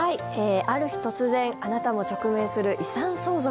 ある日、突然あなたも直面する遺産相続。